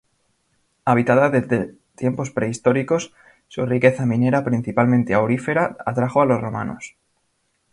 Habitada desde tiempos prehistóricos, su riqueza minera, principalmente aurífera atrajo a los romanos.